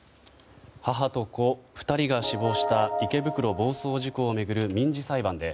母と子２人が死亡した池袋暴走事故を巡る民事裁判で